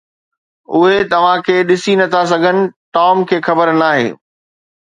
اهي توهان کي ڏسي نٿا سگهن، ٽام کي خبر ناهي